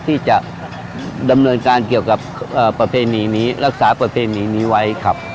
ที่จะดำเนินการเกี่ยวกับประเพณีนี้รักษาประเพณีนี้ไว้ครับ